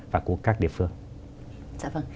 và của các địa phương